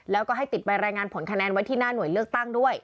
แล้วก็ติดไปรายงานผลคะแนนที่หน้าหน่วยเลือกตั้ง